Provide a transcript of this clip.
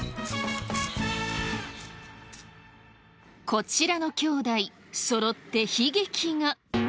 こちらの姉弟そろって悲劇が。